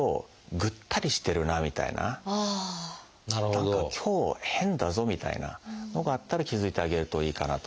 何か今日変だぞみたいなのがあったら気付いてあげるといいかなと。